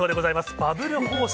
バブル方式。